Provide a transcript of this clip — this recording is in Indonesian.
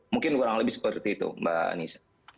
mungkin kurang lebih seperti itu mbak anissa